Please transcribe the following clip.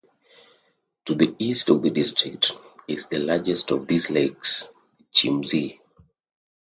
To the east of the district is the largest of these lakes, the Chiemsee.